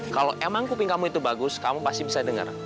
kalau emang kuping kamu itu bagus kamu pasti bisa dengar